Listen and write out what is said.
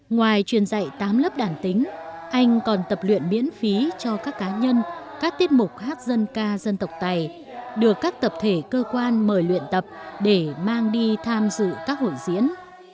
ngoài truyền dạy tám lớp đàn tính anh còn tập luyện miễn phí cho các cá nhân các tiết mục hát dân ca dân tộc tài được các tập thể cơ quan mời luyện tập để mang đi tham dự các hội diễn